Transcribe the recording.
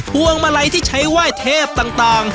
พวงมาลัยที่ใช้ไหว้เทพต่าง